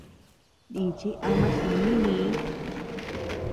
Nichi ama jinìnii.